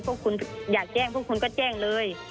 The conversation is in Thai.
พวกคุณอยากแจ้งพวกคุณก็แจ้งเลย